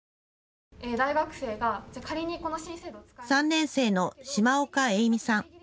３年生の嶋岡永珠さん。